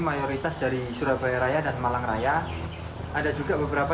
mayoritas dari surabaya raya dan malang raya ada juga beberapa